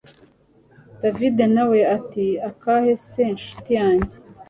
david nawe ati akahe se nshuti yanjye